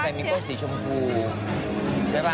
ฟามิงโกสีชมพูใช่ป่ะ